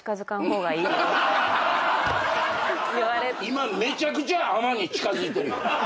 今めちゃくちゃ尼に近づいてるよ。